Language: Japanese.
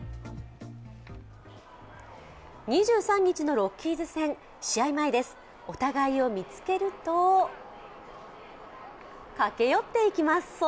２３日のロッキーズ戦、試合前ですお互いを見つけると、駆け寄っていきます。